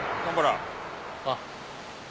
あっ。